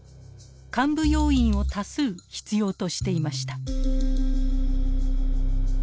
幹部要員を多数必要としていました。